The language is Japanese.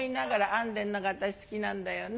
編んでんのが私好きなんだよね」。